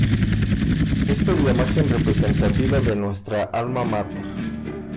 Esta es la imagen representativa de nuestra Alma Mater.